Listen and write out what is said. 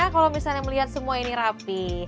kalau misalnya melihat semua ini rapi